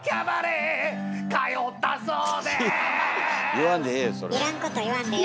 言わんでええよ